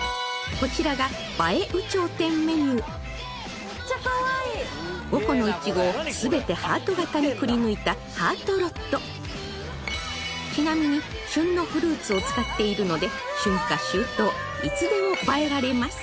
こちらが映え有頂天メニュー５個のいちごをすべてハート型にくり抜いたハートロッドちなみに旬のフルーツを使っているので春夏秋冬いつでも映えられます